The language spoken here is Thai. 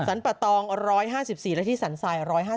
ปะตอง๑๕๔และที่สรรทราย๑๕